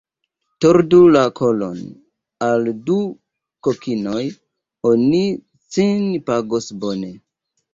Tordu la kolon al du kokinoj, oni cin pagos bone.